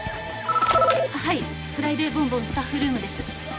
はい「フライデーボンボン」スタッフルームです。